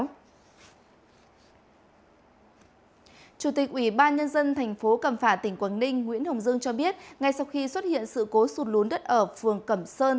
phó chủ tịch ubnd tp hcm nguyễn hồng dương cho biết ngay sau khi xuất hiện sự cố sụt lún đất ở phường cẩm sơn